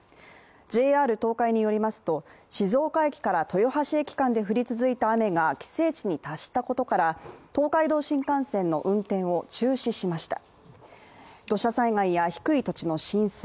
ＪＲ東海によりますと静岡駅から豊橋駅間で降り続いた雨が規制値に達したことから、東海道新幹線の運転を中止しました。